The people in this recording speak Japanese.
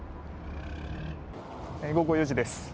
午後４時です。